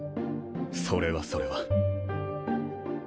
それはそれは。